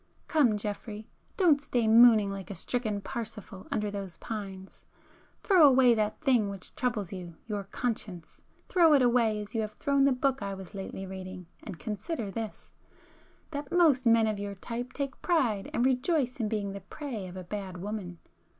Come Geoffrey, don't stay mooning like a stricken Parsifal under those [p 311] pines,—throw away that thing which troubles you, your conscience,—throw it away as you have thrown the book I was lately reading, and consider this,—that most men of your type take pride and rejoice in being the prey of a bad woman!